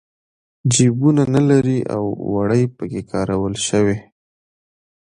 جېبونه نه لري او وړۍ پکې کارول شوي.